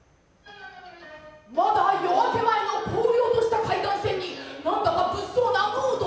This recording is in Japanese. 「まだ夜明け前の荒涼とした海岸線になんだか物騒なムード」